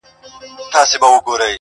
o خوني ژرنده مو د ژوند ګرځي ملګرو,